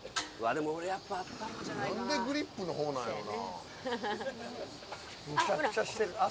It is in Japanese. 何でグリップのほうなんかな。